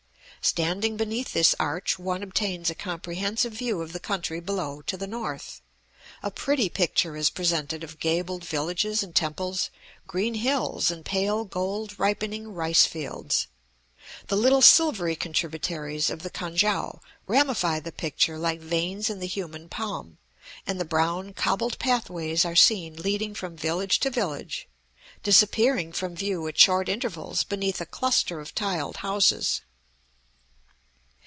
Standing beneath this arch one obtains a comprehensive view of the country below to the north; a pretty picture is presented of gabled villages and temples, green hills, and pale gold ripening rice fields. The little silvery contributaries of the Kan kiang ramify the picture like veins in the human palm, and the brown, cobbled pathways are seen leading from village to village, disappearing from view at short intervals beneath a cluster of tiled houses.